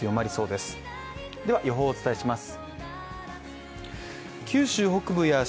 では、予報をお伝えします。